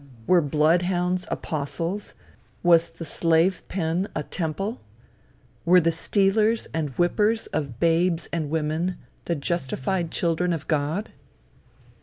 Were blood hounds apostles? Was the slave pen a temple? Were the stealers and whippers of babes and women the justified children of God?